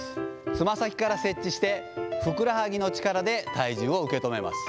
つま先から接地してふくらはぎの力で体重を受け止めます。